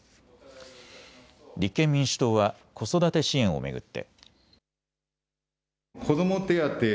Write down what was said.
立憲民主党は子育て支援を巡って。